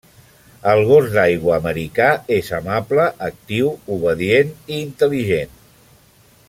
El gos d'aigua americà és amable, actiu, obedient i intel·ligent.